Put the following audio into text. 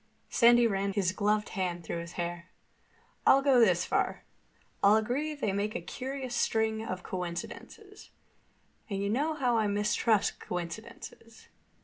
Sandy ran his gloved hand through his hair. "I'll go this far: I'll agree they make a curious string of coincidences. And you know how I mistrust coincidences.